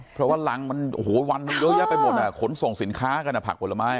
เพราะว่ารังมันโอ้โหวันมันเยอะแยะไปหมดอ่ะขนส่งสินค้ากันอ่ะผักผลไม้